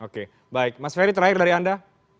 oke baik mas ferry terakhir dari anda